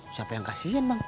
siapa yang kasian bang